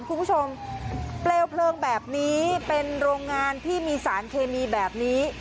คุณผู้ชมเปลวเพลิงแบบนี้เป็นโรงงานที่มีสารเคมีแบบนี้